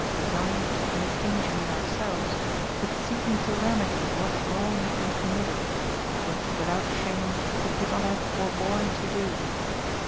design to commit injury ourselves^ but seeking tO remedy what wrong had been committed, which with out shame we could not have forborne to do.